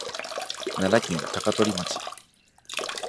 奈良県高取町